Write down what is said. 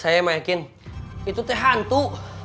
saya makin itu teh hantu